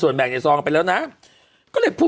โบห์หยิบเงินในซองตนมองเป็นเรื่องส่วนตัวที่เราได้ขอไป